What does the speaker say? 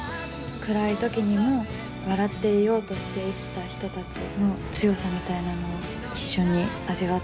暗い時にも笑っていようとして生きた人たちの強さみたいなものを一緒に味わっていただけたらうれしいなと。